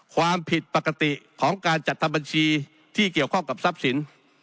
ความผิดปกติของการจัดทำบัญชีที่เกี่ยวข้องกับทรัพย์สิน